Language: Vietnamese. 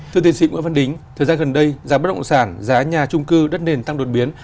thưa tiến sĩ nguyễn văn đính thời gian gần đây giá bất động sản giá nhà trung cư đất nền tăng đột biến